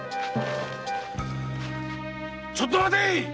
ちょっと待て！